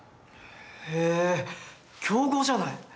へえ強豪じゃない。